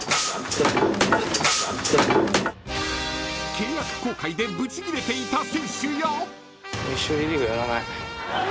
［契約更改でブチギレていた選手や］